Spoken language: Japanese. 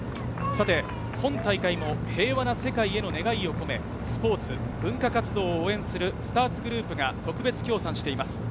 今大会の平和な世界への願いを込め、スポーツ・文化活動を応援するスターツグループが特別協賛しています。